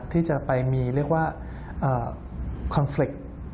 ที่จะไปมีเรียกว่าคอนเฟรกต์